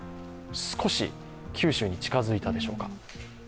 少し九州に近づいたでしょうか。